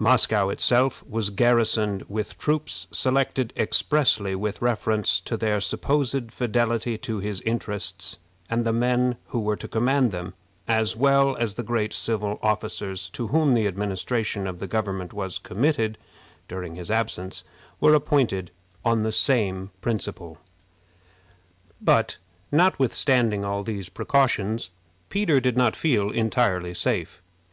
Moscow itself was garrisoned with troops selected expressly with reference to their supposed fidelity to his interests, and the men who were to command them, as well as the great civil officers to whom the administration of the government was committed during his absence, were appointed on the same principle. But, notwithstanding all these precautions, Peter did not feel entirely safe.